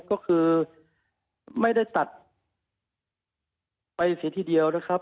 ก็คือไม่ได้ตัดไปเสียทีเดียวนะครับ